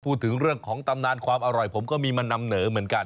พูดถึงเรื่องของตำนานความอร่อยผมก็มีมานำเหนอเหมือนกัน